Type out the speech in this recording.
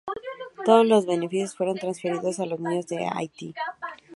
Todos los beneficios fueron transferidos a los niños de Haití.